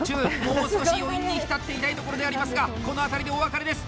もう少し余韻に浸っていたいところでありますがこの辺りでお別れです。